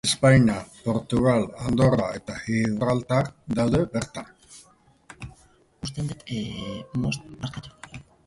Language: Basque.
Espainia, Portugal, Andorra eta Gibraltar daude bertan.